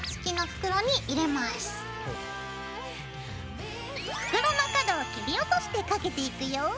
袋の角を切り落としてかけていくよ。